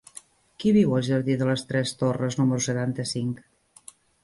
Qui viu al jardí de les Tres Torres número setanta-cinc?